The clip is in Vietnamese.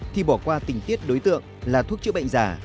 thì bỏ qua tình tiết đối tượng là thuốc chữa bệnh giả